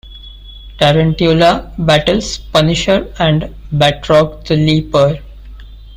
Tarantula battles Punisher and Batroc the Leaper.